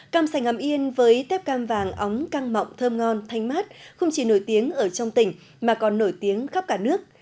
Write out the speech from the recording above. càm sành hàm yên với tép cam vàng ống căng mọng thơm ngon thanh mát không chỉ nổi tiếng ở trong tỉnh mà còn nổi tiếng khắp cả nước